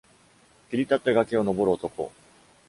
切り立った崖を登る男